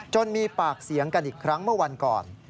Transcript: มีปากเสียงกันอีกครั้งเมื่อวันก่อน